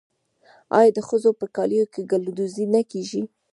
آیا د ښځو په کالیو کې ګلدوزي نه کیږي؟